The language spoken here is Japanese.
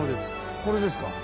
これですか？